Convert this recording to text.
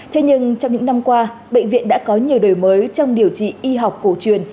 thế nhưng trong những năm qua bệnh viện đã có nhiều đổi mới trong điều trị y học cổ truyền